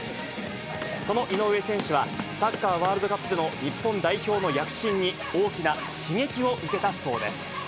その井上選手は、サッカーワールドカップの日本代表の躍進に、大きな刺激を受けたそうです。